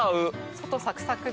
外サクサクで。